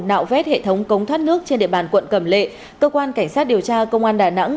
nạo vét hệ thống cống thoát nước trên địa bàn quận cầm lệ cơ quan cảnh sát điều tra công an đà nẵng